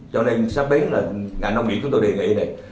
cho nên sắp đến là ngành nông nghiệp chúng tôi đề nghị này